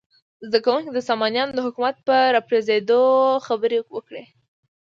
زده کوونکي دې د سامانیانو د حکومت په راپرزېدو خبرې وکړي.